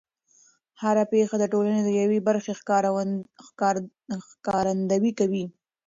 هر پېښه د ټولنې د یوې برخې ښکارندويي کوي.